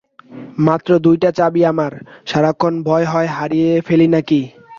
মাত্র দুইটা চাবি আমার, সারাক্ষণ ভয় হয় হারিয়ে ফেলি নাকি।